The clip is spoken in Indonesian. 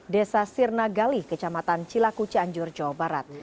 desa sirna gali kecamatan cilaku cianjur jawa barat